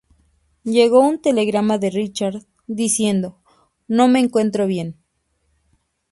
Llegó un telegrama de Richard diciendo: "No me encuentro bien.